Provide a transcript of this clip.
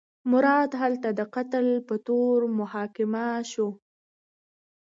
مراد هلته د قتل په تور محاکمه شو.